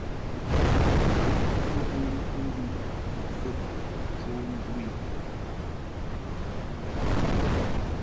Bo tuʼmɨ mon kɨmvi mfəʼ cho ndu i.